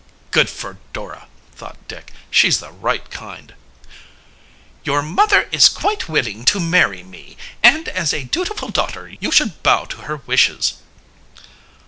"Good for Dora!" thought Dick. "She's the right kind." "Your mother is quite willing to marry me, and as a dutiful daughter you should bow to her wishes."